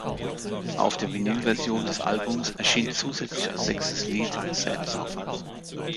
Auf der Vinylversion des Albums erschien zusätzlich als sechstes Lied "Sad Song".